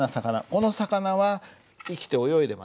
この魚は生きて泳いでますよね。